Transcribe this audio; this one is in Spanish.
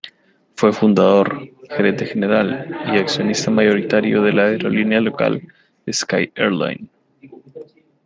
Fue fundador, gerente general y accionista mayoritario de la aerolínea local Sky Airline.